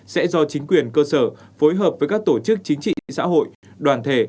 sẽ do chính quyền cơ sở phối hợp với các tổ chức chính trị xã hội đoàn thể